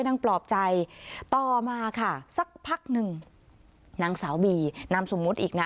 นั่งปลอบใจต่อมาค่ะสักพักนึงนางสาวบีน้ำสมมติอีกนะ